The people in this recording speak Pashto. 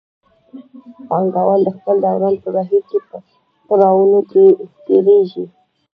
پانګوال د خپل دوران په بهیر کې له پړاوونو تېرېږي